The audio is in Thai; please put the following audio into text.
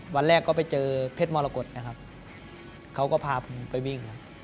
วันแรกก็ไปเจอเพชรมรกฏนะครับเขาก็พาผมไปวิ่งครับ